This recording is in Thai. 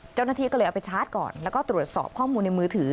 เจ้าหน้าที่ก็เลยเอาไปชาร์จก่อนแล้วก็ตรวจสอบข้อมูลในมือถือ